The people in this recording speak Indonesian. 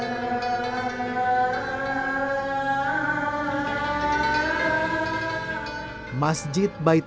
masyarakat dukuh gambiran meyakini mbah cungkrung adalah tokoh yang pertama kali menyiarkan agama islam di gambiran